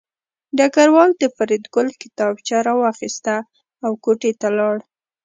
ډګروال د فریدګل کتابچه راواخیسته او کوټې ته لاړ